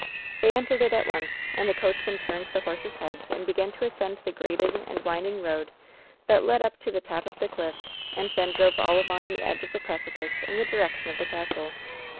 They entered it at once, and the coachman turned the horses' heads and began to ascend the graded and wind ing road that led up to the top of the cliff, and then drove all along the edge of the precipice in the direction of the castle.